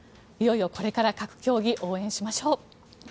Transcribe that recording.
いよいよ、これから各競技応援しましょう！